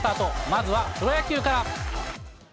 まずはプロ野球から。